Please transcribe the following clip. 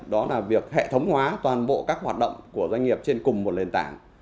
đó là việc hệ thống hóa toàn bộ các hoạt động của doanh nghiệp trên cùng một lề tảng